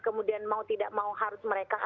kemudian mau tidak mau harus mereka